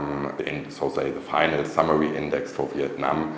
nói chung là đoạn kết thúc cuối cùng của việt nam